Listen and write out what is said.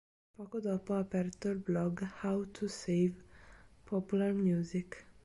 Poco dopo ha aperto il blog How To Save Popular Music.